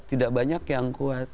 tidak banyak yang kuat